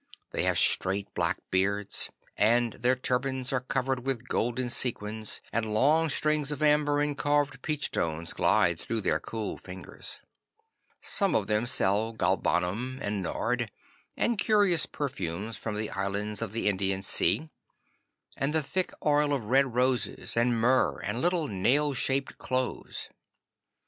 They have straight black beards, and their turbans are covered with golden sequins, and long strings of amber and carved peach stones glide through their cool fingers. Some of them sell galbanum and nard, and curious perfumes from the islands of the Indian Sea, and the thick oil of red roses, and myrrh and little nail shaped cloves.